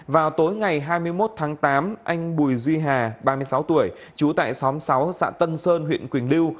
vào tối ngày hai mươi một tháng tám anh bùi duy hà ba mươi sáu tuổi trú tại xóm sáu xã tân sơn huyện quỳnh lưu